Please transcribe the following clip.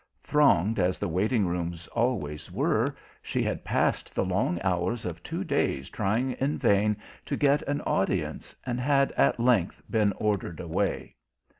Thronged as the waiting rooms always were, she had passed the long hours of two days trying in vain to get an audience, and had at length been ordered away.